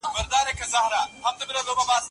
د وارداتو مخه نیول شوې ده.